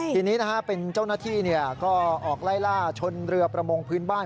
ทีนี้เป็นเจ้าหน้าที่ก็ออกไล่ล่าชนเรือประมงพื้นบ้าน